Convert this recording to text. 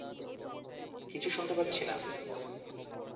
কিছু শুনতে পাচ্ছি না!